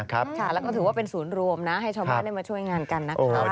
แล้วก็ถือว่าเป็นศูนย์รวมนะให้ชาวบ้านได้มาช่วยงานกันนะคะ